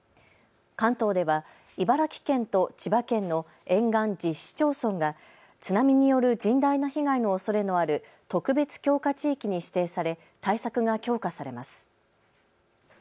関東では茨城県と千葉県の沿岸１０市町村が津波による甚大な被害のおそれのある特別強化地域に指定され対策が強化されます。